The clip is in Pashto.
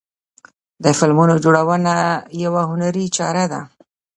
د فلمونو جوړونه یوه هنري چاره ده.